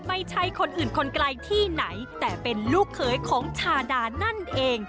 ไม่ใช่คนอื่นคนไกลที่ไหนแต่เป็นลูกเขยของชาดานั่นเอง